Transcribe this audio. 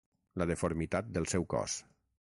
La deformitat del seu cos.